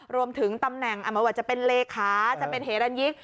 รวมถึงตำแหน่งอ๋อเหมือนว่าจะเป็นเลคาจะเป็นเฮดันยิค